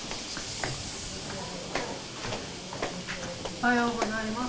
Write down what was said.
おはようございます。